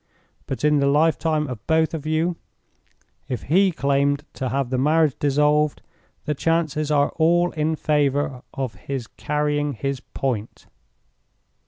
But in the lifetime of both of you, if he claimed to have the marriage dissolved, the chances are all in favor of his carrying his point."